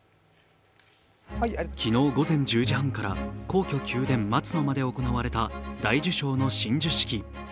昨日午前１０時半から皇居・宮殿松の間で行われた大綬章の親授式。